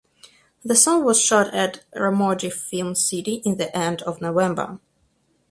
The song was shot at Ramoji Film City in the end of November.